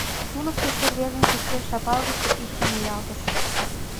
— Туныктышо рвезын кечеш шапалгыше ӱпшым ниялтыш.